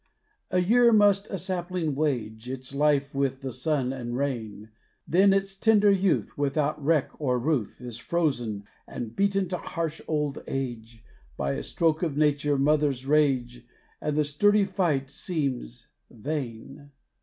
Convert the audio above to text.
A year must a sapling wage Its life with the sun and rain, Then its tender youth Without reck or ruth Is frozen and beaten to harsh old age By a stroke of Nature mother's rage And the sturdy fight seems vain.